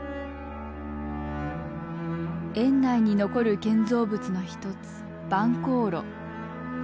園内に残る建造物の一つ晩香廬。